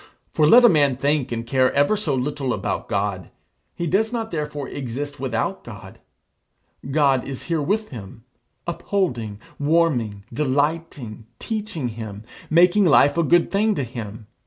For let a man think and care ever so little about God, he does not therefore exist without God. God is here with him, upholding, warming, delighting, teaching him making life a good thing to him.